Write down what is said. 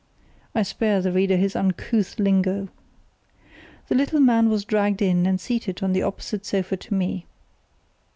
(I spare the reader his uncouth lingo.) The little man was dragged in and seated on the opposite sofa to me.